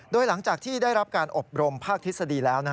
ด้วยหลังจากที่ได้รับการอบรมภาคธิษฎี